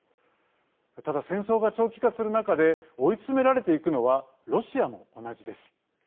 ただ、戦争が長期化する中で追い詰められていくのはロシアも同じです。